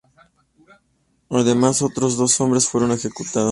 Además, otros dos hombres fueron ejecutados.